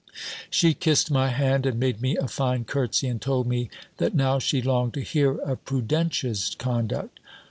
She kissed my hand, and made me a fine curtsey and told me, that now she longed to hear of Prudentia's conduct.